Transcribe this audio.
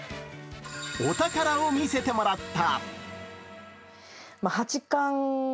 お宝を見せてもらった。